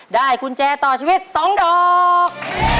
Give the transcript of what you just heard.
กุญแจต่อชีวิต๒ดอก